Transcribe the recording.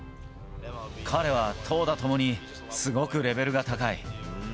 彼は投打ともにすごくレベルが高い。